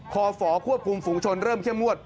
ฝอควบคุมฝุงชนเริ่มเข้มงวด